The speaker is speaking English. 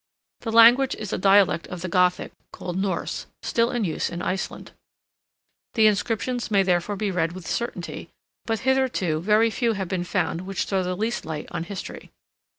The language is a dialect of the Gothic, called Norse, still in use in Iceland. The inscriptions may therefore be read with certainty, but hitherto very few have been found which throw the least light on history.